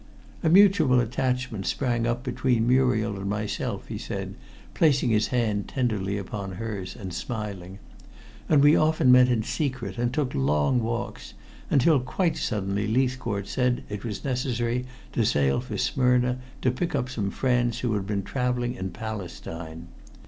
A mutual attachment sprang up between Muriel and myself," he said, placing his hand tenderly upon hers and smiling, "and we often met in secret and took long walks, until quite suddenly Leithcourt said that it was necessary to sail for Smyrna to pick up some friends who had been traveling in Palestine.